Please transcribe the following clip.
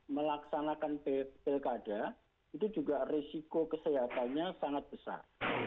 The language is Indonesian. melaksanakan pilkada itu juga risiko kesehatannya sangat besar